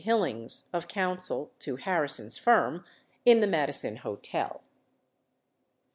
Hillings (of counsel to Harri son's firm) in the Madison Hotel.